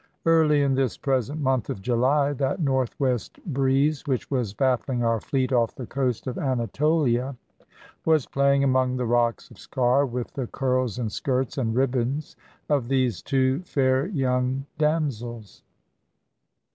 Early in this present month of July, that north west breeze, which was baffling our fleet off the coast of Anatolia, was playing among the rocks of Sker with the curls and skirts and ribbons of these two fair young damsels.